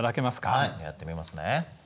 はいやってみますね。